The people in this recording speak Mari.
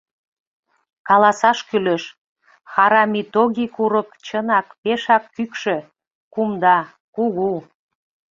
Каласаш кӱлеш, Харамитоги курык, чынак, пешак кӱкшӧ, кумда, кугу.